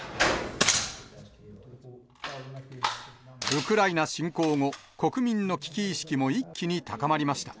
ウクライナ侵攻後、国民の危機意識も一気に高まりました。